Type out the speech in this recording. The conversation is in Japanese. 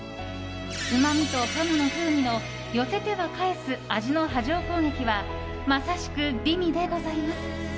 うまみと鴨の風味の寄せては返す味の波状攻撃はまさしく美味でございます。